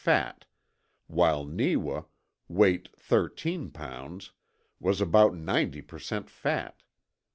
fat; while Neewa, weight thirteen pounds, was about 90 per cent. fat.